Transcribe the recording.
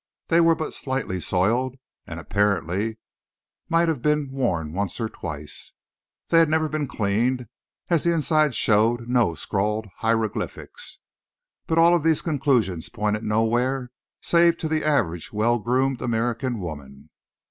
They were but slightly soiled, and apparently might have been worn once or twice. They had never been cleaned, as the inside showed no scrawled hieroglyphics. But all of these conclusions pointed nowhere save to the average well groomed American woman.